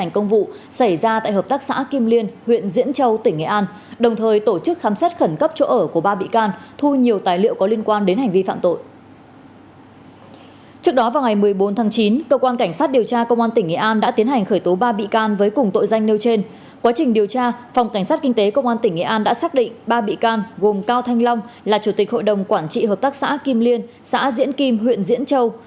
quá trình điều tra phòng cảnh sát kinh tế công an tỉnh nghệ an đã xác định ba bị can gồm cao thanh long là chủ tịch hội đồng quản trị hợp tác xã kim liên xã diễn kim huyện diễn châu